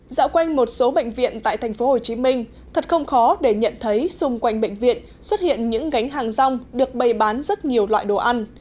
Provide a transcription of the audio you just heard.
dạo quanh một số bệnh viện tại tp hcm thật không khó để nhận thấy xung quanh bệnh viện xuất hiện những gánh hàng rong được bày bán rất nhiều loại đồ ăn